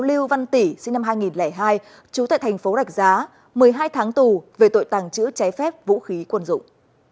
lưu văn tỷ sinh năm hai nghìn hai trú tại thành phố rạch giá một mươi hai tháng tù về tội tàng trữ trái phép vũ khí quân dụng